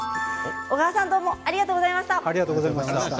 小川さんありがとうございました。